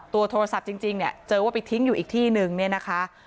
โทรศัพท์จริงเนี่ยเจอว่าไปทิ้งอยู่อีกที่นึงเนี่ยนะคะ